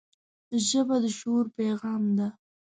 ژبه د شعور پیغام ده